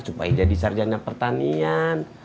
supaya jadi sarjana pertanian